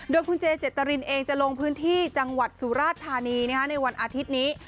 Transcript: โดยคุณเจเจตรินเองจะลงพื้นที่จังหวัดสุราชธานีในวันอาทิตย์นี้